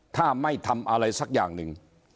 ถ้าไม่ทำอะไรสักอย่างหนึ่ง